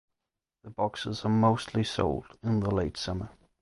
The boxes are mostly sold in the late summer.